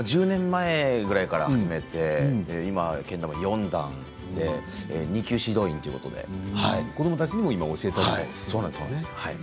１０年前ぐらいから始めて今４段で２級指導員というのが子どもたちにも教えてるんですよね。